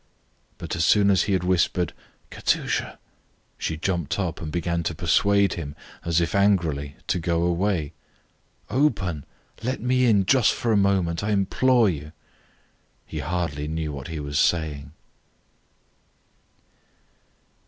But as soon as he had whispered "Katusha" she jumped up and began to persuade him, as if angrily, to go away. "Open! Let me in just for a moment! I implore you!" He hardly knew what he was saying.